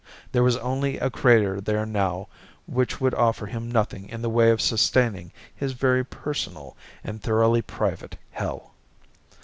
There was only a crater there now which would offer him nothing in the way of sustaining his very personal and thoroughly private hell.